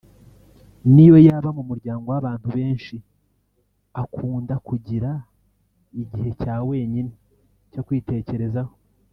niyo yaba mu muryango w’abantu benshi akunda kugira igihe cya wenyine cyo kwitekerezaho